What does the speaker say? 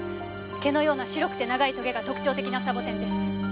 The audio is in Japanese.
毛のような白くて長いトゲが特徴的なサボテンです。